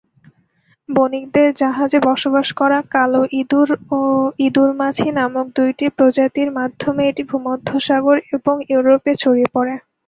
বণিকদের জাহাজে বসবাস করা ‘কালো ইঁদুর’ ও ‘ইঁদুর মাছি’ নামক দুইটি প্রজাতির মাধ্যমে এটি ভূমধ্যসাগর এবং ইউরোপে ছড়িয়ে পড়ে।